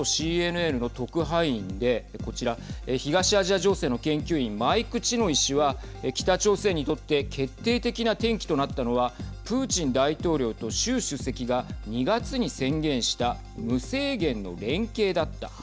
元ＣＮＮの特派員でこちら、東アジア情勢の研究員マイク・チノイ氏は北朝鮮にとって決定的な転機となったのはプーチン大統領と習主席が２月に宣言した無制限の連携だった。